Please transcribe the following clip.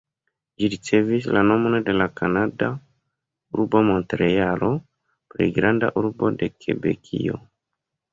Ĝi ricevis la nomon de la kanada urbo Montrealo, plej granda urbo de Kebekio.